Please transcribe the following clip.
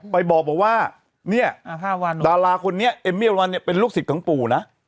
ไปบอกบอกว่าเนี่ยอ่าห้าวันดาราคนนี้เอมมี่อัมรวรรณเนี่ยเป็นลูกศิษย์ของปูนะ